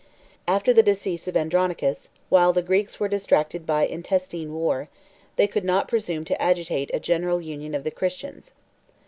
] After the decease of Andronicus, while the Greeks were distracted by intestine war, they could not presume to agitate a general union of the Christians.